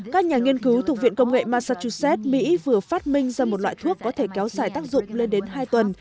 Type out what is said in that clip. các nhà nghiên cứu thuộc viện công nghệ massachusetts mỹ vừa phát minh ra một loại thuốc có thể kéo dài tác dụng lên đến hai tuần